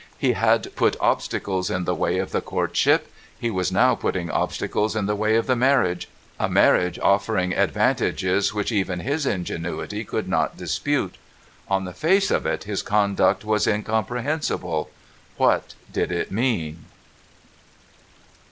He had put obstacles in the way of the courtship ; he was now putting obstacles in the way of the marriage — a marriage offering advantages which even his ingenuity could not dispute. On the face of it, his conduct was incomprehensible. What did it mean